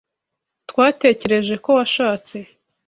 Twatekereje ko washatse.